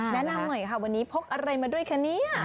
แนะนำหน่อยค่ะวันนี้พกอะไรมาด้วยคะเนี่ย